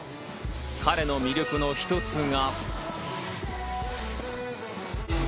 彼の魅力の一つが。